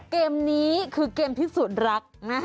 เกมนี้คือเกมที่สุดรัก